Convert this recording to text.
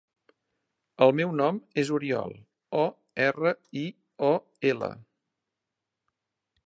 El meu nom és Oriol: o, erra, i, o, ela.